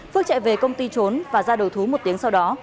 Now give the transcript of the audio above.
phước chạy về công ty trốn và ra đầu thú một tiếng sau đó